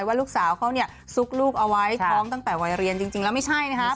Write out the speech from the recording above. ว่าลูกสาวเขาเนี่ยซุกลูกเอาไว้ท้องตั้งแต่วัยเรียนจริงแล้วไม่ใช่นะครับ